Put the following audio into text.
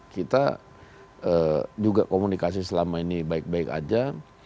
kita juga komunikasi selama ini baik baik aja